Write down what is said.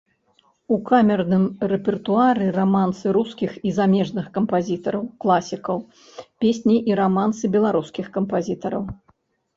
У камерным рэпертуары рамансы рускіх і замежных кампазітараў-класікаў, песні і рамансы беларускіх кампазітараў.